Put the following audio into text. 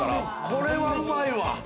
これは、うまいわ。